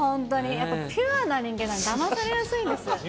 やっぱピュアな人間なんでだまされやすいんです。